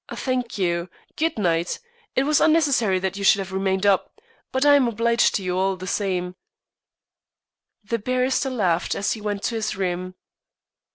"Thank you. Good night. It was unnecessary that you should have remained up. But I am obliged to you all the same." The barrister laughed as he went to his room.